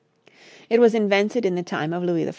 It was invented in the time of Louis XIV.